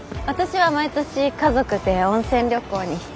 私は毎年家族で温泉旅行に。